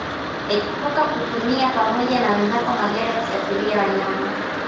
Epuka kutumia pamoja na wenzako magari ya kusafirishia wanyama